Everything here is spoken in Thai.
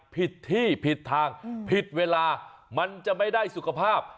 ผิดที่ผิดทางผิดเวลามันจะไม่ได้สุขภาพ